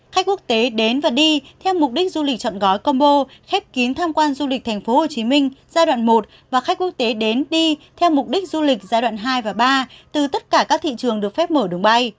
khách quốc tế đến và đi theo mục đích du lịch chọn gói combo khép kín tham quan du lịch tp hcm giai đoạn một và khách quốc tế đến đi theo mục đích du lịch giai đoạn hai và ba từ tất cả các thị trường được phép mở đường bay